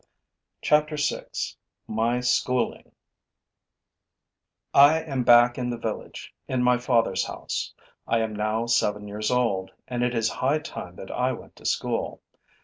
CHAPTER VI. MY SCHOOLING I am back in the village, in my father's house. I am now seven years old; and it is high time that I went to school.